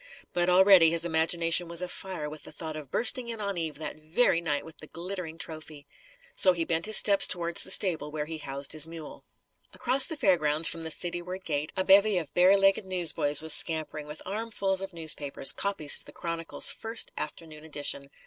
But, already, his imagination was afire with the thought of bursting in on Eve that very night, with the glittering trophy. So he bent his steps towards the stable where he housed his mule. Across the fair grounds, from the cityward gate, a bevy of barelegged newsboys was scampering, with armfuls of newspapers copies of the Chronicle's first afternoon edition.